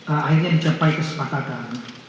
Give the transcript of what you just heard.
akhirnya mencapai kesepakatan